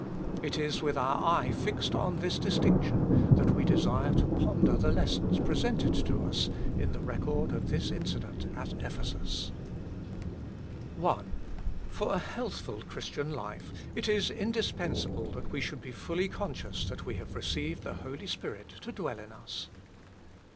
It is with our eye fixed on this distinction that we desire to ponder the lessons presented to us in the record of this incident at Ephesus. 10 THE FULL BLESSING OF PENTECOST I For a healthful Christian life, it is indispensable that we should be fully conscious that we have re ceived the Holy Spirit to dwell in us.